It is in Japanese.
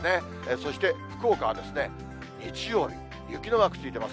そして福岡は日曜日、雪のマークついてます。